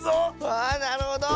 わあなるほど！